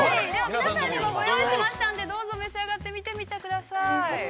◆皆さんにもご用意しましたんで、召し上がってみてください。